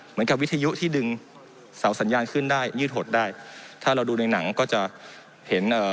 วิทยุที่ดึงเสาสัญญาณขึ้นได้ยืดหดได้ถ้าเราดูในหนังก็จะเห็นเอ่อ